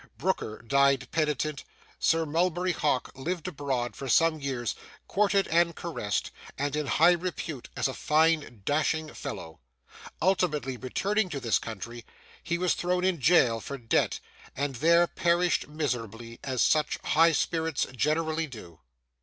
Brooker died penitent. Sir Mulberry Hawk lived abroad for some years, courted and caressed, and in high repute as a fine dashing fellow. Ultimately, returning to this country, he was thrown into jail for debt, and there perished miserably, as such high spirits generally do.